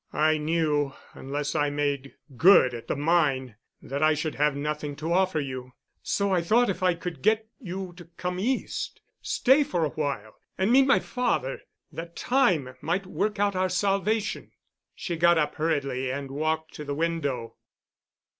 I knew unless I made good at the mine that I should have nothing to offer you. So I thought if I could get you to come East, stay for a while, and meet my father, that time might work out our salvation." She got up hurriedly and walked to the window.